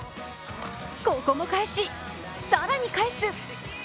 ここも返し、更に返す。